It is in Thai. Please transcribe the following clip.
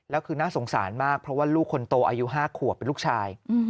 แล้วคือน่าสงสารมากเพราะว่าลูกคนโตอายุ๕ขวบเป็นลูกชาย